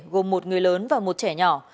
gồm một người lớn và một trẻ nhỏ